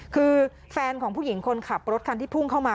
คือแฟนของผู้หญิงคนขับรถคันที่พุ่งเข้ามา